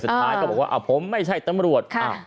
สุดท้ายก็บอกว่าผมไม่ใช่ตำรวจ